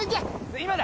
今だ！